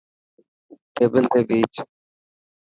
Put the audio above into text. ٽيبل تي ڀيچ.